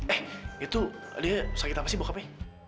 eh itu dia sakit apa sih bokp